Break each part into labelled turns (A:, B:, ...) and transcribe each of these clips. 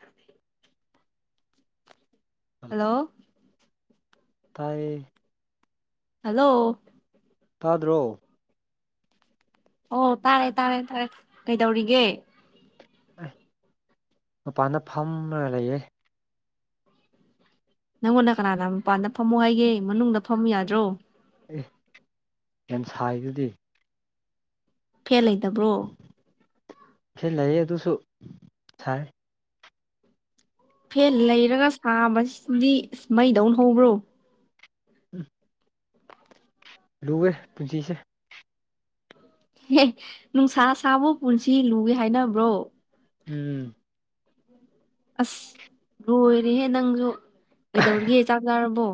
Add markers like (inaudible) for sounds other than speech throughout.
A: ꯍꯣꯏ ꯍꯜꯂꯣ
B: ꯇꯥꯏ
A: ꯍꯜꯂꯣ
B: ꯊꯥꯗ꯭ꯔꯣ
A: ꯑꯣ ꯇꯥꯔꯦ ꯇꯥꯔꯦ ꯇꯥꯔꯦ ꯀꯩꯗꯧꯔꯤꯒꯦ
B: ꯑꯦ ꯃꯄꯥꯟꯗ ꯐꯝꯅ ꯂꯩꯌꯦ
A: ꯅꯪꯉꯣꯟꯗ ꯀꯅꯥꯅ ꯃꯄꯥꯟꯗ ꯐꯝꯃꯣ ꯍꯥꯏꯒꯦ ꯃꯅꯨꯡꯗ ꯐꯝꯃꯨ ꯌꯥꯗ꯭ꯔꯣ
B: ꯑꯦ ꯌꯥꯝ ꯁꯥꯏꯗꯨꯗꯤ
A: ꯐꯦꯜ ꯂꯩꯇꯕ꯭ꯔꯣ
B: ꯐ ꯂꯩ ꯑꯗꯨꯁꯨ ꯁꯥꯏ
A: ꯐꯦꯟ ꯂꯩꯔꯒ ꯁꯥꯕꯁꯤꯗꯤ ꯑꯁ ꯃꯩꯗꯧꯅ ꯍꯧꯕ꯭ꯔꯣ
B: ꯎꯝ ꯂꯨꯋꯦ ꯄꯨꯟꯁꯤꯁꯦ
A: ꯑꯦ ꯅꯨꯡꯁꯥ ꯁꯥꯕꯨ ꯄꯨꯟꯁꯤ ꯂꯨꯒꯦ ꯍꯥꯏꯅꯕ꯭ꯔꯣ
B: ꯎꯝ
A: ꯑꯁ ꯂꯣꯏꯔꯦꯍꯦ ꯅꯪꯁꯨ ꯀꯩꯗꯧꯔꯒꯦ ꯆꯥꯛ ꯆꯥꯔꯕꯣ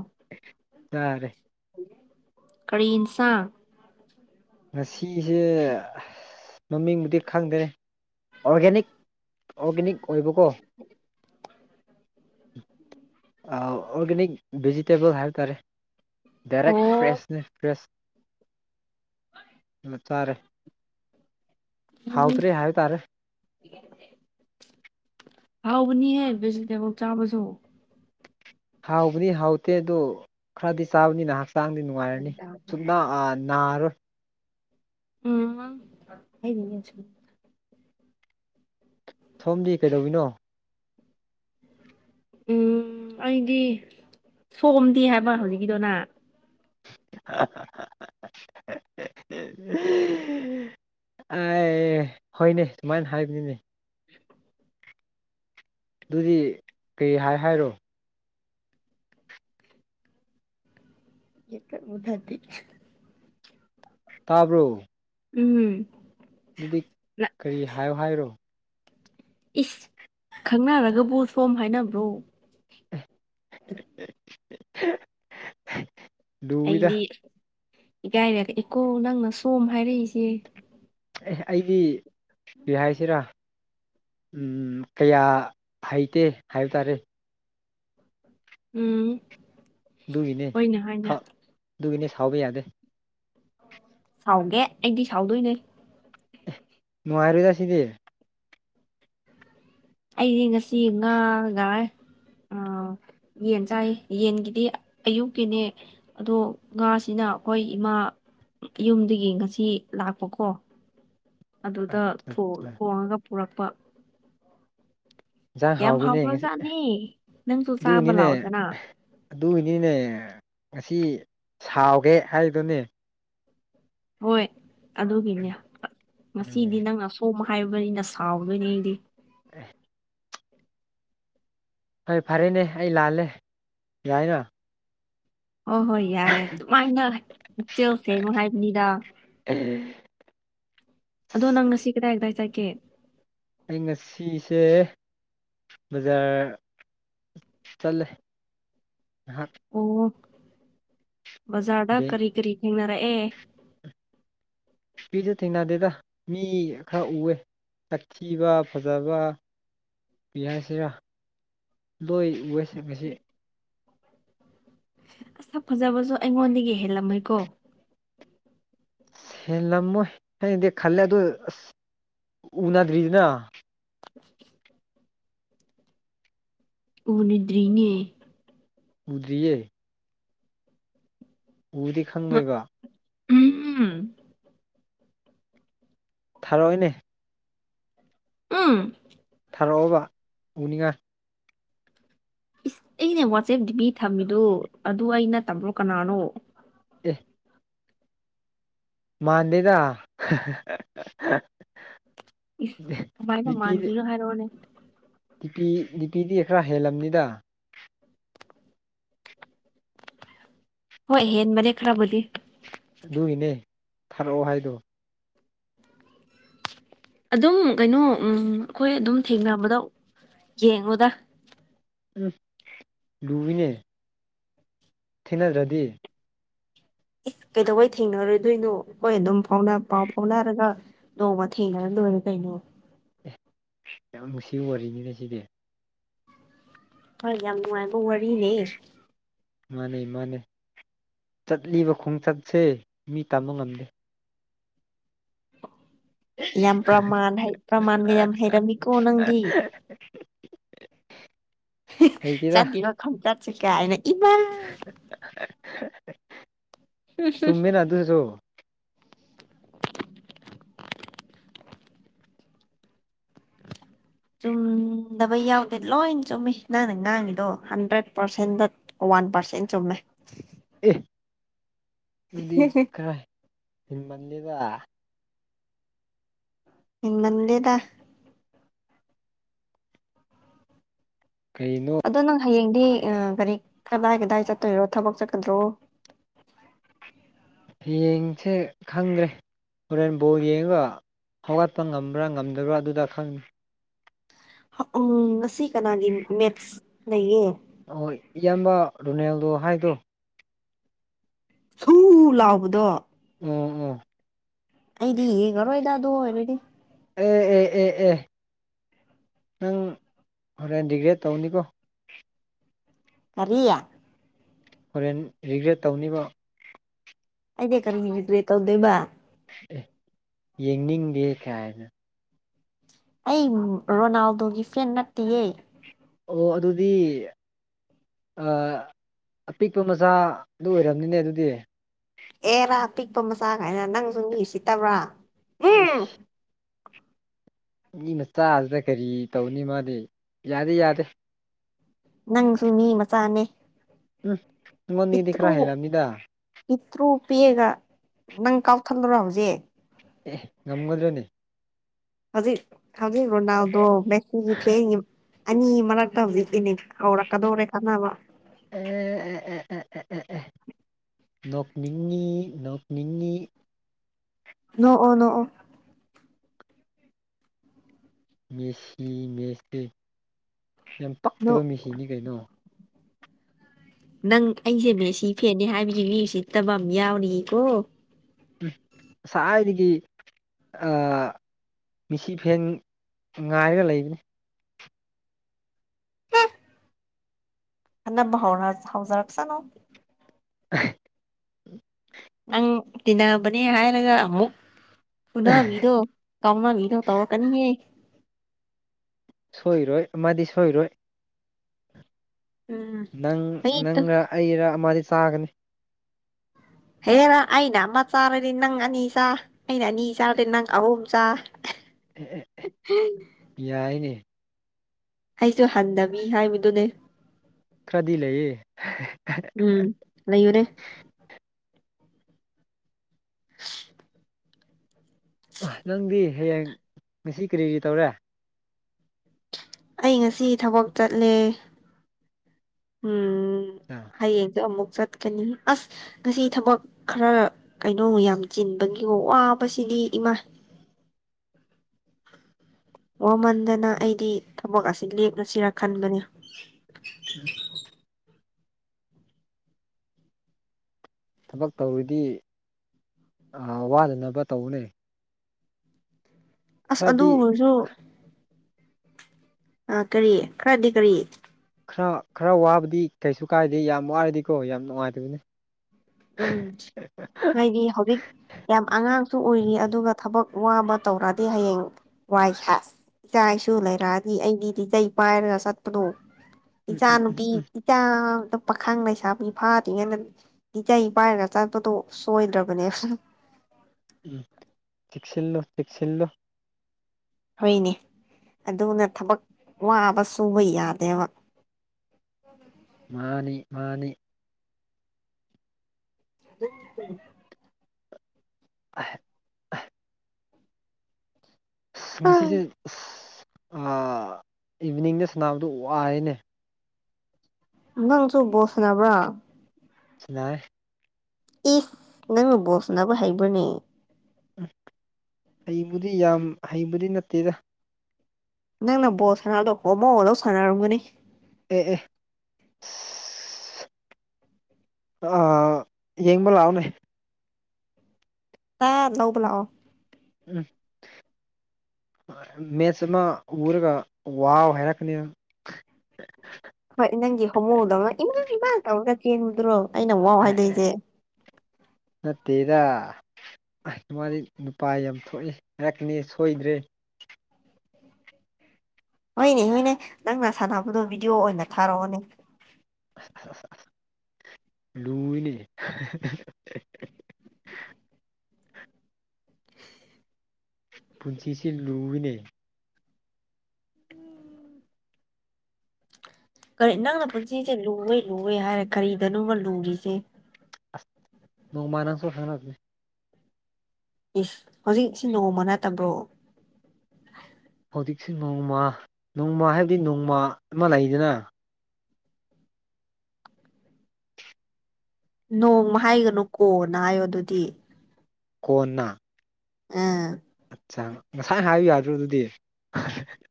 B: ꯇꯔꯦ
A: ꯀꯔꯤ ꯑꯦꯁꯪ
B: ꯉꯁꯤꯁꯦ ꯃꯃꯤꯡꯕꯨꯗꯤ ꯈꯪꯗ꯭ꯔꯦ ꯑꯣꯔꯒꯥꯦꯅꯤꯛ ꯑꯣꯔꯒꯥꯦꯅꯤꯛ ꯑꯣꯏꯕꯀꯣ
A: (inaudible)
B: ꯑꯣꯔꯒꯥꯦꯅꯤꯛ ꯚꯦꯖꯤꯇꯦꯕꯜ ꯍꯥꯏꯕ ꯇꯥꯔꯦ ꯗꯏꯔꯦꯛ
A: ꯑꯣ
B: ꯐ꯭ꯔꯦꯁꯅꯦ ꯐ꯭ꯔꯦꯁ ꯑꯃ ꯆꯥꯔꯦ
A: ꯎꯝ
B: ꯍꯥꯎꯗ꯭ꯔꯤ ꯍꯥꯏꯕ ꯇꯥꯔꯦ
A: ꯍꯥꯎꯕꯅꯤꯍꯦ ꯚꯦꯖꯤꯇꯦꯕꯜ ꯆꯥꯕꯁꯨ
B: ꯍꯥꯎꯕꯅꯤ ꯍꯥꯎꯇꯦ ꯑꯗꯨ ꯈꯔꯗꯤ ꯆꯥꯕꯅꯤꯅ ꯍꯛꯆꯥꯡꯗꯤ ꯅꯨꯡꯉꯥꯏꯔꯅꯤ ꯁꯨꯞꯅ ꯅꯥꯔꯔꯣꯢ
A: ꯎꯝ ꯍꯥꯏ (inaudible)
B: ꯁꯣꯝꯗꯤ ꯀꯩꯗꯧꯔꯤꯅꯣ
A: ꯎꯝ ꯑꯩꯗꯤ ꯁꯣꯝꯗꯤ ꯍꯥꯏꯕ ꯍꯧꯖꯤꯛꯀꯤꯗꯣ ꯅꯪ
B: ꯑꯥꯑꯥꯑꯥ ꯍꯍꯦ ꯍꯦ (inaudible) ꯑꯦ ꯍꯣꯏꯅꯦ ꯁꯨꯃꯥꯏꯅ ꯍꯥꯏꯕꯅꯤꯅꯦ
A: ꯑꯪ (inaudible)
B: ꯑꯗꯨꯗꯤ ꯀꯩ ꯍꯥꯏ ꯍꯥꯏꯔꯣ
A: ꯌꯦꯛꯇ ꯃꯗꯗꯤ (inaudible)
B: ꯇꯥꯕ꯭ꯔꯣ
A: ꯎꯝ
B: ꯑꯗꯨꯗꯤ
A: ꯅ-
B: ꯀꯔꯤ ꯍꯥꯏꯌꯣ ꯍꯥꯏꯔꯣ
A: ꯏꯁ ꯈꯪꯅꯔꯒꯕꯨ ꯁꯣꯝ ꯍꯥꯏꯅꯕ꯭ꯔꯣ
B: ꯍꯦꯍꯦꯍꯦ (inaudible)
A: ꯑꯩꯗꯤ ꯏꯒꯥꯏꯔꯛꯑꯦꯀꯣ ꯅꯪꯅ ꯁꯣꯝ ꯍꯥꯏꯔꯛꯏꯁꯦ
B: ꯑꯦ ꯑꯩꯒꯤ ꯀꯔꯤ ꯍꯥꯏꯁꯤꯔꯥ ꯎꯝ ꯀꯌꯥ ꯍꯩꯇꯦ ꯍꯥꯏꯕ ꯇꯥꯔꯦ
A: ꯎꯝ
B: ꯑꯗꯨꯒꯤꯅꯦ
A: ꯑꯣꯏꯅ ꯍꯥꯏꯅ
B: ꯑꯗꯨꯒꯤꯅꯦ ꯁꯥꯎꯕ ꯌꯥꯗꯦ
A: ꯁꯥꯎꯒꯦ ꯑꯩꯗꯤ ꯁꯥꯎꯗꯣꯏꯅꯦ
B: ꯅꯨꯡꯉꯥꯏꯔꯣꯏꯗ ꯁꯤꯗꯤ
A: ꯑꯩꯗꯤ ꯉꯁꯤ ꯉꯥ ꯒꯥ ꯑ ꯌꯦꯟ ꯆꯥꯏ ꯌꯦꯟꯒꯤꯗꯤ ꯑꯌꯨꯛꯀꯤꯅꯦ ꯑꯗꯣ ꯉꯥꯁꯤꯅ ꯑꯩꯈꯣꯏ ꯏꯃꯥ ꯌꯨꯝꯗꯒꯤ ꯉꯁꯤ ꯂꯥꯛꯄꯀꯣ ꯑꯗꯨꯗ ꯊꯣꯡꯉꯒ ꯄꯨꯔꯛꯄ
B: ꯌꯦꯟꯁꯥꯡ
A: ꯌꯥꯝ
B: ꯍꯥꯎꯋꯤꯅꯦ ꯉꯁꯤ
A: ꯍꯥꯎꯈ꯭ꯔꯖꯥꯠꯅꯦ ꯅꯪꯁꯨ ꯆꯥꯕ
B: ꯑꯗꯨꯅꯤꯅꯦ
A: ꯂꯥꯛꯑꯣꯗꯅ
B: ꯑꯗꯨꯒꯤꯅꯤꯅꯦ ꯉꯁꯤ ꯁꯥꯎꯒꯦ ꯍꯥꯏꯗꯨꯅꯦ
A: ꯍꯣꯏ ꯑꯗꯨꯒꯤꯅꯦ ꯉꯁꯤꯗꯤ ꯅꯪ ꯑꯁꯣꯝ ꯍꯥꯏꯕꯅꯤꯅ ꯁꯥꯎꯗꯣꯏꯅꯦ ꯑꯩꯗꯤ
B: ꯑ (inaudible) ꯍꯣꯏ ꯐꯔꯦꯅꯦ ꯑꯩ ꯂꯥꯜꯂꯦ ꯌꯥꯏꯅ
A: ꯍꯣꯏ ꯍꯣꯏ ꯌꯥꯔꯦ ꯑꯗꯨꯃꯥꯏꯅ ꯏꯆꯦꯜꯁꯦꯡꯉꯣ ꯍꯥꯏꯕꯅꯤꯗ
B: ꯑꯩ
A: ꯑꯗꯣ ꯅꯪ ꯉꯁꯤ ꯀꯗꯥꯏ ꯀꯗꯥꯏ ꯆꯠꯀꯦ
B: ꯑꯩ ꯉꯁꯤꯁꯦ ꯕꯖꯥꯔ ꯆꯠꯂꯦ ꯉꯥꯢꯍꯥꯛ
A: ꯑꯣ ꯕꯖꯥꯔꯗ
B: ꯑꯗꯩ
A: ꯀꯔꯤ ꯀꯔꯤ ꯊꯦꯡꯅꯔꯛꯑꯦ
B: ꯁꯄꯤꯁꯨ ꯊꯦꯡꯅꯗꯦꯗ ꯃꯤ ꯈꯔ ꯎꯑꯦ ꯇꯛꯊꯤꯕ ꯐꯖꯕ ꯄꯤ ꯍꯥꯏꯁꯤꯔꯥ ꯂꯣꯏ ꯉꯁꯤꯁꯤ
A: ꯑꯁꯛ ꯐꯖꯕꯁꯨ ꯑꯩꯉꯣꯟꯗꯒꯤ ꯍꯦꯜꯂꯝꯃꯣꯏꯀꯣ
B: ꯍꯦꯜꯂꯝꯃꯣꯏ ꯑꯩꯅꯗꯤ ꯈꯜꯂꯦ ꯑꯗꯣ ꯑꯁ ꯎꯅꯗ꯭ꯔꯤꯗꯅ
A: (unintelligible) ꯎꯅꯗꯔꯤꯅꯦ
B: ꯎꯗ꯭ꯔꯤꯌꯦ ꯎꯔꯗꯤ ꯈꯪꯗꯣꯏꯕ
A: ꯎꯝ (inaudible)
B: ꯊꯥꯔꯣꯏꯅꯦ
A: ꯎꯝ
B: ꯊꯥꯔꯛꯑꯣꯕ ꯄꯨꯅꯤꯡꯉꯥꯏ
A: ꯏꯁ ꯑꯩꯅ ꯋꯥꯆꯦꯞ ꯗꯤ ꯄꯤ ꯊꯝꯃꯤꯗꯨꯣ ꯑꯗꯨ ꯑꯩ ꯅꯠꯇꯕ꯭ꯔꯣ ꯀꯅꯥꯅꯣ
B: ꯑꯦ ꯃꯥꯟꯗꯦꯗ
A: ꯏꯁ ꯀꯃꯥꯏꯅ ꯃꯥꯟꯗꯔ꯭ꯤꯅꯣ ꯍꯥꯏꯔꯛꯑꯣꯅꯦ
B: ꯗꯤꯄꯤ ꯗꯤꯄꯤ ꯗꯤ ꯈꯔ ꯍꯦꯜꯂꯝꯅꯤꯗ
A: ꯍꯣꯏ ꯍꯦꯟꯕꯅꯤ ꯈꯔꯕꯨꯗꯤ
B: ꯑꯗꯨꯒꯤꯅꯦ ꯊꯥꯔꯛꯑꯣ ꯍꯥꯏꯗꯣ
A: ꯑꯗꯨꯝ ꯀꯩꯅꯣ ꯑꯩꯈꯣꯏ ꯑꯗꯨꯝ ꯊꯦꯡꯅꯕꯗꯣ ꯌꯦꯡꯉꯣꯗ
B: ꯎꯝ ꯂꯨꯏꯅꯦ ꯊꯦꯡꯅꯗ꯭ꯔꯗꯤ
A: ꯏꯁ ꯀꯩꯗꯧꯕꯩ ꯊꯦꯡꯅꯔꯣꯏꯗꯣꯏꯅꯣ ꯑꯩꯈꯣꯏ ꯑꯗꯨꯝ ꯐꯥꯎꯅ ꯄꯥꯎ ꯐꯥꯎꯅꯔꯒ ꯅꯣꯡꯃ ꯊꯦꯡꯅꯔ ꯂꯣꯏꯔꯦ ꯀꯩꯅꯣ
B: ꯌꯥꯝ ꯅꯨꯡꯁꯤ ꯋꯔꯤꯅꯤꯅꯦ ꯁꯤꯗꯤ
A: ꯍꯣꯏ ꯌꯥꯝ ꯅꯨꯡꯉꯥꯏꯕ ꯋꯥꯔꯤꯅꯦ
B: ꯃꯥꯅꯦ ꯃꯥꯅꯦ ꯆꯠꯂꯤꯕ ꯈꯣꯡꯆꯠꯁꯦ ꯃꯤ ꯇꯝꯕ ꯉꯝꯗꯦ
A: ꯌꯥꯝ ꯄ꯭ꯔꯃꯥꯟ ꯄ꯭ꯔꯃꯥꯟꯒ ꯌꯥꯝ ꯍꯩꯔꯝꯃꯤꯀꯣ ꯅꯪꯗꯤ
B: (inaudible) ꯍꯩꯇꯦꯗ
A: ꯆꯗꯤꯔ ꯈꯪ ꯆꯠꯁꯤ ꯀ ꯍꯥꯏꯅ ꯏꯃꯥ
B: ꯆꯨꯃꯦꯅꯥ ꯑꯗꯨꯁꯨ
A: ꯆꯨꯝꯗꯕ ꯌꯥꯎꯗꯦ ꯂꯣꯏ ꯆꯨꯝꯃꯤ ꯅꯪꯅ ꯉꯥꯡꯉꯤꯗꯣ ꯍꯟꯗ꯭ꯔꯦꯠ ꯄꯥꯔꯁꯦꯟꯗ ꯋꯥꯟ ꯄꯔꯁꯦꯟ ꯆꯨꯝꯃꯦ
B: ꯑꯦ ꯑꯗꯨꯗꯤ ꯈꯔ ꯍꯤꯟꯃꯜꯂꯤꯗ
A: ꯍꯦꯟꯃꯟꯗꯦꯗꯥ
B: ꯀꯩꯩꯅꯣ
A: ꯑꯗꯣ ꯅꯪ ꯍꯌꯦꯡꯗꯤ ꯀꯥꯔꯤ ꯀꯗꯥꯏ ꯀꯗꯥꯏ ꯆꯠꯇꯣꯏꯔꯣ ꯊꯕꯛ ꯆꯠꯀꯗ꯭ꯔꯣ
B: ꯍꯌꯦꯡꯁꯦ ꯈꯪꯗꯔ꯭ꯦ ꯍꯣꯔꯦꯟ ꯕꯣꯜ ꯌꯦꯡꯉꯒ ꯍꯧꯒꯠꯄ ꯉꯝꯕ꯭ꯔꯥ ꯉꯝꯗꯕ꯭ꯔꯥ ꯑꯗꯨꯗ ꯈꯪꯅꯤ
A: ꯎ ꯉꯁꯤ ꯀꯅꯥꯒꯤ ꯃꯦꯠꯁ ꯂꯩꯌꯦ
B: ꯑꯣ ꯏꯌꯥꯝꯕ ꯔꯣꯅꯦꯜꯗꯣ ꯍꯥꯏꯗꯣ
A: ꯁꯨ ꯂꯥꯎꯕꯗꯣ
B: ꯎꯝ ꯎꯝ
A: ꯑꯩꯗꯤ ꯌꯦꯡꯉꯔꯣꯏꯗꯥ ꯑꯗꯨ ꯑꯣꯏꯔꯗꯤ
B: ꯑꯦ ꯑꯦ ꯑꯦ ꯑꯦ ꯅꯪ ꯍꯣꯔꯦꯟ ꯔꯤꯒ꯭ꯔꯦꯠ ꯇꯧꯅꯤꯀꯣ
A: ꯀꯔꯤ
B: ꯍꯣꯔꯦꯟ ꯔꯤꯒ꯭ꯔꯦꯠ ꯇꯧꯅꯤꯕ
A: ꯑꯩꯗꯤ ꯀꯔꯤꯒꯤ ꯔꯤꯒꯔ꯭ꯦꯠ ꯇꯧꯗꯣꯏꯕ
B: ꯑꯦ ꯌꯦꯡꯅꯤꯡꯗꯦ ꯀꯌꯥ ꯍꯥꯏꯅ
A: ꯑꯩ ꯔꯣꯅꯥꯜꯗꯣꯒꯤ ꯐꯦꯟ ꯅꯠꯇꯦꯌꯦ
B: ꯑꯣ ꯑꯗꯨꯗꯤ ꯑꯄꯤꯛꯄ ꯃꯆꯥꯗꯨ ꯑꯣꯏꯔꯝ ꯅꯤꯅꯦ ꯑꯗꯨꯗꯤ
A: ꯑꯦꯔꯥ ꯄꯤꯛꯄ ꯃꯆꯥ ꯀꯥꯏꯅ ꯅꯪꯁꯨ ꯎꯁꯤꯠꯇꯕ꯭ꯔꯥ ꯎꯝ
B: ꯏꯁ ꯃꯤ ꯃꯆꯥꯗꯨꯗ ꯀꯔꯤ ꯇꯧꯅꯤ ꯃꯥꯗꯤ ꯌꯥꯗꯦ ꯌꯥꯗꯦ
A: ꯅꯪꯁꯨ ꯃꯤ ꯃꯆꯥꯅꯦ
B: ꯎꯝ ꯑꯩꯉꯣꯟꯗꯩꯩꯗꯤ ꯈꯔ ꯍꯦꯟꯂꯝꯅꯤꯗ
A: ꯄꯤꯇ꯭ꯔꯨ ꯄꯦꯛꯑꯒ ꯅꯪ ꯀꯥꯎꯊꯠꯂꯨꯔ ꯍꯧꯖꯤꯛ
B: ꯑꯦ ꯉꯝꯒꯗꯔꯥꯅꯦ
A: ꯍꯧꯖꯤ ꯍꯧꯖꯤꯒ ꯑꯗꯨꯣ ꯃꯦꯁꯤꯒꯤ ꯏ ꯐ ꯑꯅꯤ ꯃꯔꯛꯇ ꯍꯧꯖꯤꯛꯤꯅꯦ ꯍꯧꯔꯛꯀꯗꯧꯔꯦ ꯀꯥꯟꯅꯕ
B: ꯑꯦ ꯑꯦ ꯑꯦ ꯑꯦ ꯑꯦ ꯑꯦ ꯑꯦ ꯅꯣꯛꯅꯤꯡꯉ ꯅꯣꯛꯅꯤꯡ
A: ꯅꯣꯑꯣ ꯅꯣꯑꯣ
B: ꯃꯦꯁꯤ ꯃꯦꯁ ꯌꯥꯝ ꯄꯛꯇꯕ
A: ꯅꯣꯛ
B: ꯃꯦꯁꯤꯅꯤ ꯀꯩꯅꯣ
A: ꯅꯪ ꯑꯩꯁꯦ ꯃꯦꯁꯤ ꯐꯦꯅꯤ ꯍꯥꯏꯕꯁ ꯃꯤꯁꯤ ꯇꯕ ꯑꯃ ꯌꯥꯎꯔꯤꯉꯀꯣ
B: ꯎ ꯆꯥꯏꯅꯤ ꯃꯤꯁꯤ ꯐꯦꯟ ꯉꯥꯏꯔꯒ ꯂꯩꯕꯅꯤ
A: ꯅꯝꯕ ꯍꯧꯔ ꯍꯧꯖꯥꯔꯛꯁꯅꯣ
B: ꯎ
A: ꯅꯪ ꯇꯤꯟꯅꯕꯅꯤ ꯍꯥꯏꯔꯒ ꯑꯃꯨꯛ ꯄꯨꯅ ꯃꯤꯗꯣ ꯀꯝꯅ ꯃꯤꯗꯣ ꯇꯧꯔ ꯀꯅꯤꯉ
B: ꯁꯣꯏꯔꯣꯏ ꯑꯃꯗꯤ ꯁꯣꯏꯔꯣꯏ
A: ꯎꯝ
B: ꯅꯪ
A: ꯃꯤꯠꯇꯨ
B: ꯅꯪꯔ ꯑꯩꯔ ꯑꯃꯗꯤ ꯆꯥꯒꯅꯤ
A: ꯍꯦꯔ ꯑꯩꯅꯃ ꯆꯥꯔꯗꯤ ꯅꯪ ꯑꯅꯤ ꯆꯥ ꯑꯩꯅꯅꯤꯖꯗꯦ ꯅꯪ ꯑꯍꯕꯖ
B: ꯑꯦ ꯑꯦ ꯌꯥꯏꯅꯦ
A: ꯑꯩꯁꯨ ꯍꯟꯗꯕꯤ ꯍꯥꯏꯕꯗꯨꯅꯦ
B: ꯈꯔꯥꯗꯤ ꯂꯩꯌꯦ
A: ꯅ ꯌꯔꯦ
B: ꯅꯪꯗꯤ ꯍꯌꯦꯡ ꯉꯁꯤ ꯀꯔꯤ ꯇꯧꯔꯦ
A: ꯑꯩ ꯉꯁꯤ ꯊꯕꯛ ꯆꯠꯂꯦ ꯎꯝ
B: ꯑ
A: ꯍꯥꯏ ꯌꯦꯡꯖ ꯃꯨꯛ ꯆꯠ ꯀꯅꯤ ꯑꯁ ꯉꯁꯤ ꯊꯕꯛ ꯈꯔ ꯀꯩꯅꯣ ꯌꯥꯝ ꯆꯤꯟꯕꯒꯤ ꯋꯥꯕꯁꯤꯗꯤ ꯏꯃꯥ ꯃꯃꯟꯗꯅ ꯑꯩꯗꯤ ꯊꯕꯛ ꯑꯁꯤ ꯂꯦꯞꯅ ꯁꯤꯔꯛ ꯈꯟꯕꯅꯦ
B: ꯎꯝ ꯊꯕꯛ ꯇꯧꯔꯤꯗꯤ ꯋꯥꯗꯅꯕ ꯇꯧꯕꯅꯦ
A: ꯑꯁ ꯑꯗꯨ
B: ꯈꯔꯗꯤ
A: ꯑꯣꯏꯔꯁꯨ ꯑ ꯀꯔꯤꯌꯦ ꯈꯔꯗꯤ ꯀꯔꯤ
B: ꯈꯔ ꯈꯔ ꯋꯥꯕꯗꯤ ꯀꯩꯁꯨ ꯀꯥꯏꯗꯦ ꯌꯥꯝ ꯋꯥꯔꯗꯤꯀꯣ ꯌꯥꯝ ꯅꯨꯡꯉꯥꯏꯇꯕꯅꯤ
A: ꯎꯝ ꯍꯥꯏꯗꯤ ꯍꯧꯖꯤꯛ ꯌꯥꯝ ꯑꯉꯥꯡꯁꯨ ꯑꯣꯏꯔꯤ ꯑꯗꯨꯒ ꯊꯕꯛ ꯋꯥꯕ ꯇꯧꯔꯗꯤ ꯍꯌꯦꯡ ꯋꯥꯏꯁ ꯏꯆꯥ ꯏꯁꯨ ꯂꯩꯔꯛꯑꯗꯤ ꯑꯩꯒꯤꯗꯤꯆ ꯄꯥꯏꯔꯒ ꯆꯠꯄꯗꯣ
B: ꯎꯝ
A: ꯏꯆꯥ
B: ꯎꯝ ꯎꯝ
A: ꯅꯨꯨꯄꯤ
B: ꯎꯝ
A: ꯏꯆꯥꯗ ꯄꯥꯈꯥꯡ ꯂꯩꯁꯥꯕꯤ ꯐꯥꯗ꯭ꯔꯤꯉꯩꯅ ꯏꯆ ꯄꯥꯏꯔꯒ ꯆꯠꯄꯗꯣ ꯁꯣꯏꯗ꯭ꯔꯕꯅꯦ
B: ꯎꯝ ꯆꯁꯤꯜꯂꯣ ꯇꯛꯁꯤꯟꯂꯣ
A: ꯍꯣꯏꯅꯦ ꯑꯗꯨꯅ ꯊꯕꯛ ꯋꯥꯕ ꯁꯨꯕ ꯌꯥꯗꯦꯕ
B: ꯃꯥꯅꯤ ꯃꯥꯅꯤ
A: ꯎ
B: ꯍꯥꯏ ꯑꯁ ꯉꯁꯤꯁꯦ ꯑꯁ ꯏꯚꯅꯤꯡꯗ ꯁꯥꯟꯅꯕꯗꯨꯣ ꯋꯥꯏꯅꯦ
A: ꯅꯪꯁꯨꯕꯣꯁ ꯅꯕ꯭ꯔꯥ
B: ꯁꯤ ꯅꯥꯏ
A: ꯏꯁ ꯅꯪ ꯕꯣꯁꯅꯕꯅꯕ ꯍꯥꯏꯕ꯭ꯔꯅꯦ
B: ꯎꯝ ꯍꯩꯕꯨꯗꯤ ꯌꯥꯝ ꯍꯩꯕꯨꯗꯤ ꯅꯠꯇꯦꯗ
A: ꯅꯪꯅ ꯕꯣꯜ ꯁꯥꯟꯗꯣ ꯍꯣꯃꯜ ꯂꯧ ꯁꯥꯟꯅꯔꯝꯒꯅꯤ
B: ꯑꯦ ꯑꯦ ꯑꯥ ꯌꯦꯡꯕ ꯂꯥꯛꯑꯣꯅꯦ
A: ꯇꯥ ꯂꯧꯕ ꯂꯥꯛꯑꯣ
B: ꯎꯝ (unintelligible) ꯃꯦꯠꯆ ꯑꯃ ꯎꯔꯒ ꯋꯥꯎ ꯍꯥꯏꯔꯛꯀꯅꯤ
A: ꯍꯣꯏ ꯅꯪꯒꯤ ꯍꯣꯡꯃꯣꯗꯧ ꯏꯃꯥ ꯏꯃꯥ ꯇꯧꯔꯒ ꯆꯦꯟꯕꯗꯨꯔꯣ ꯑꯩꯅ ꯑꯃꯨꯛꯋꯥꯎ ꯍꯥꯏꯗꯣꯏꯁꯦ
B: ꯅꯠꯇꯦꯗ ꯑꯁ ꯃꯥꯗꯤ ꯅꯨꯄꯥ ꯌꯥꯝ ꯊꯣꯛꯏ ꯉꯛꯅꯦ ꯁꯣꯏꯗ꯭ꯔꯦ
A: ꯍꯣꯏꯅꯦ ꯍꯣꯏꯅꯦ ꯅꯪꯅ ꯁꯥꯟꯅꯕꯗꯣ ꯚꯤꯗꯤꯑꯣ ꯑꯣꯏꯅ ꯊꯥꯔꯛꯑꯣꯅꯦ
B: ꯂꯨꯅꯦ
A: (inaudible)
B: ꯄꯨꯟꯁꯤꯁꯤ ꯂꯨꯕꯤꯅꯦ
A: ꯀꯔꯤ ꯅꯪꯅ ꯄꯨꯟꯁꯤꯁꯦ ꯂꯨ ꯂꯨ ꯍꯥꯏꯔꯦ ꯀꯔꯤꯗꯅꯣꯃ ꯂꯨꯔꯤꯁꯦ
B: ꯅꯣꯡꯃ ꯅꯪꯁꯨ ꯈꯪꯅꯒꯅꯦ
A: ꯏꯁ ꯍꯧꯖꯤꯛꯁꯤ ꯅꯣꯡꯃ ꯅꯠꯇꯕ꯭ꯔꯣ
B: ꯍꯧꯖꯤꯛꯁꯨ ꯅꯣꯡꯃ ꯅꯣꯡꯃ ꯍꯥꯏꯕꯗꯤ ꯅꯣꯡꯃ ꯑꯃ ꯂꯩꯗꯅ
A: ꯅꯣꯡꯃ ꯍꯥꯏꯒꯅꯨ ꯀꯣꯅ ꯍꯥꯏꯌꯣ ꯑꯗꯨꯗꯤ
B: ꯀꯣꯅ
A: ꯑ
B: ꯉꯁꯥꯏ ꯍꯥꯏꯕ ꯌꯥꯗ꯭ꯔꯣ ꯑꯗꯨꯗꯤ ꯍ (unintelligible)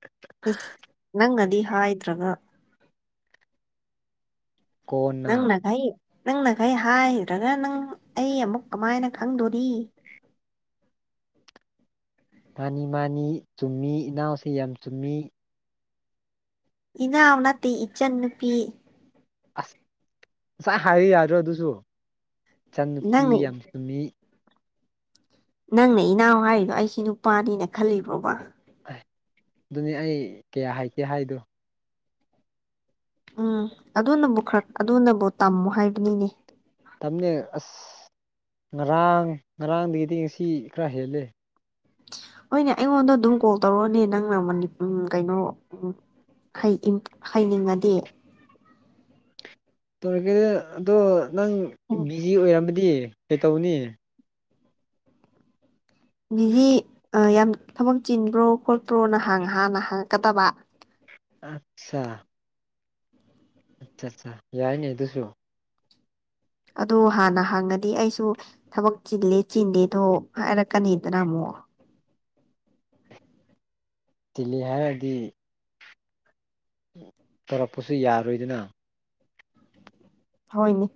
A: ꯅꯪꯅꯗꯤ ꯍꯥꯏꯗ꯭ꯔꯒ
B: ꯀꯣꯟꯅ
A: ꯅꯪꯅꯈꯩ ꯅꯪꯅꯈꯩ ꯍꯥꯏꯗ꯭ꯔꯒ ꯅꯪ ꯑꯩ ꯑꯃꯨꯛ ꯀꯃꯥꯏꯅ ꯈꯪꯗꯣꯔꯤ
B: ꯃꯥꯅꯤ ꯃꯥꯅꯤ ꯆꯨꯝꯃꯤ ꯏꯅꯥꯎꯁ ꯌꯥꯝ ꯆꯨꯝꯃꯤ
A: ꯏꯅꯥꯎ ꯅꯠꯇꯦ ꯏꯆꯟ ꯅꯨꯄꯤ
B: ꯑꯁ ꯉꯁꯥꯏ ꯍꯥꯏꯌꯨ ꯌꯥꯗꯣ ꯑꯗꯨꯁꯨ ꯏꯆꯪ ꯅꯨꯨꯄꯤ
A: ꯅꯪꯅ
B: ꯌꯥꯝ ꯆꯨꯝꯃꯤ
A: ꯅꯪꯅ ꯏꯅꯥꯎ ꯍꯥꯏꯔꯤꯗꯣ ꯑꯩꯁꯤ ꯅꯨꯄꯥꯅꯤꯅ ꯈꯜꯂꯤꯕ꯭ꯔꯣꯕ
B: ꯑꯗꯨꯅꯤ ꯑꯩ ꯀꯌꯥ ꯍꯩꯇꯦ ꯍꯥꯏꯗꯣ
A: ꯎꯝ ꯑꯗꯨꯅꯕꯨ ꯈꯔ ꯑꯗꯨꯅꯕꯨ ꯇꯝꯃꯨ ꯍꯥꯏꯕꯅꯤꯅꯦ
B: ꯇꯝꯅꯦ ꯑꯁ ꯉꯔꯥꯡ ꯉꯔꯥꯡꯗꯒꯤꯗꯤ ꯉꯁꯤ ꯈꯔ ꯍꯦꯜꯂꯦ
A: ꯍꯣꯏꯅꯦ ꯑꯩꯉꯣꯟꯗ ꯑꯗꯨꯝ ꯀꯣꯜ ꯇꯧꯔꯛꯑꯣꯅꯦ ꯅꯪꯅ ꯎ ꯀꯩꯅꯣ ꯎ ꯍꯩꯅꯤꯡꯉꯗꯤ
B: ꯇꯧꯔꯛꯀꯦ ꯑꯗꯣ ꯅꯪ ꯕꯤꯖꯤ ꯑꯣꯏꯔꯝꯃꯗꯤ ꯀꯩꯇꯧꯅꯤ
A: ꯗꯤ ꯌꯥꯝ ꯊꯕꯛ ꯆꯤꯟꯕ꯭ꯔꯣ ꯈꯣꯠꯄ꯭ꯔꯣ ꯅꯍꯥꯟꯍꯥꯟꯅ ꯍꯥꯡꯉꯛꯀꯗꯕ
B: ꯑꯠꯆ ꯑꯠꯆꯥ ꯑꯠꯆꯥ ꯌꯥꯏꯅꯦ ꯑꯗꯨꯁꯨ
A: ꯑꯗꯨ ꯍꯥꯟꯅ ꯍꯪꯉꯗꯤ ꯑꯩꯁꯨ ꯊꯕꯛ ꯆꯤꯂꯦ ꯆꯤꯟꯗꯦꯗꯣ ꯍꯥꯏꯔꯛꯀꯅꯤꯗꯅ ꯑꯃꯨꯛ
B: ꯆꯤꯟꯂꯤ ꯍꯥꯏꯔꯒꯗꯤ ꯇꯧꯔꯛꯄꯁꯨ ꯌꯥꯔꯣꯏꯗꯅ
A: ꯍꯣꯏꯅꯦ